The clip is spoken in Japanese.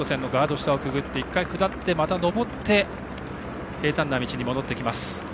下を通って一度下って、また上って平たんな道に戻ってきます。